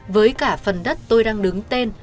với cả phần đất tôi đang đứng tên